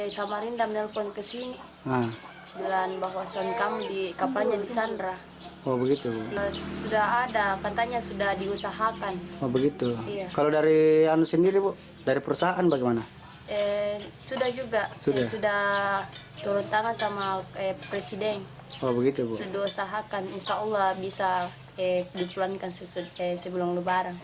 sebelum berjalan kembali berkumpul